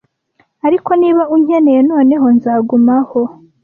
Ariko niba unkeneye noneho nzagumaho. "